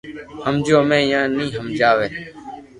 ھمجيو ھمي يا ني ھمجاوي